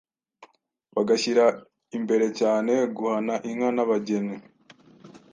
bagashyira imbere cyane guhana inka n’abageni.